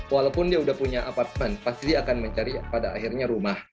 walaupun dia udah punya apartemen pasti dia akan mencari pada akhirnya rumah